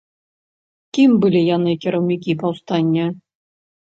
Кім былі яны, кіраўнікі паўстання?